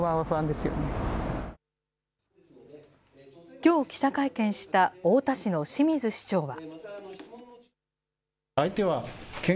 きょう、記者会見した太田市の清水市長は。